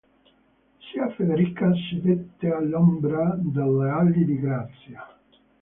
Zia Federica sedette all'ombra delle ali di Grazia.